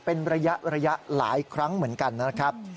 เป็นระยะหลายครั้งเหมือนกันนะครับ